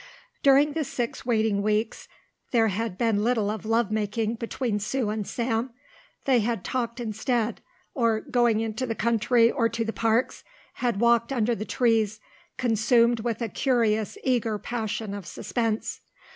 During the six waiting weeks there had been little of love making between Sue and Sam. They had talked instead, or, going into the country or to the parks, had walked under the trees consumed with a curious eager passion of suspense.